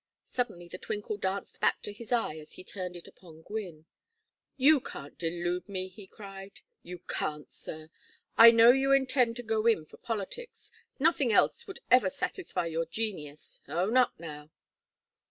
Suddenly the twinkle danced back to his eye as he turned it upon Gwynne. "You can't delude me!" he cried. "You can't, sir. I know you intend to go in for politics. Nothing else would ever satisfy your genius. Own up, now."